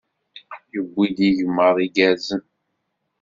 Yuwi-d igmaḍ igerrzen.